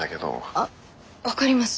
あっ分かります。